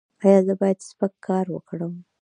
ایا زه باید سپک کار وکړم؟